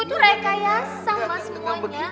itu rekayasa mas semuanya